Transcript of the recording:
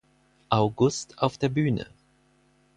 August auf der Bühne.